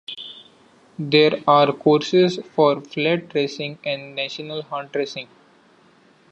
There are courses for Flat racing and National Hunt racing.